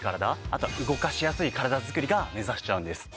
あとは動かしやすい体作りが目指せちゃうんです。